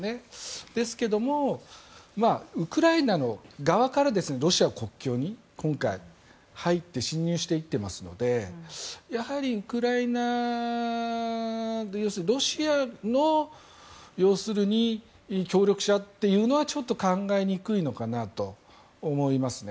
ですけれど、ウクライナの側からロシア国境に今回、入って侵入していっていますのでやはりウクライナロシアの協力者というのはちょっと考えにくいのかなと思いますね。